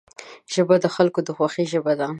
ژبه د خلکو د خوښۍ ژبه ده